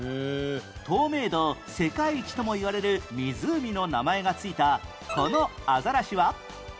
透明度世界一ともいわれる湖の名前が付いたこのアザラシは？